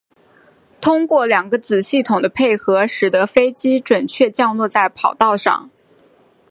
通过两个子系统的配合使得飞机准确降落在跑道上。